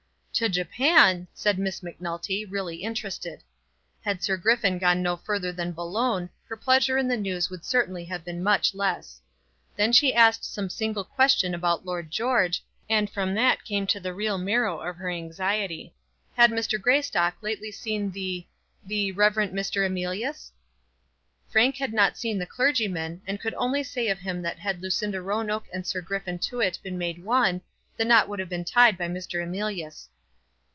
"To Japan!" said Miss Macnulty, really interested. Had Sir Griffin gone no further than Boulogne, her pleasure in the news would certainly have been much less. Then she asked some single question about Lord George, and from that came to the real marrow of her anxiety. Had Mr. Greystock lately seen the the Rev. Mr. Emilius? Frank had not seen the clergyman, and could only say of him that had Lucinda Roanoke and Sir Griffin Tewett been made one, the knot would have been tied by Mr. Emilius.